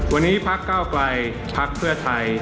วันนี้พักเก้าไกลพักเพื่อไทย